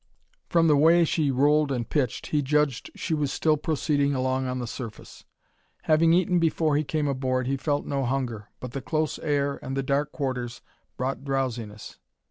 From the way she rolled and pitched, he judged she was still proceeding along on the surface. Having eaten before he came aboard, he felt no hunger, but the close air and the dark quarters brought drowsiness.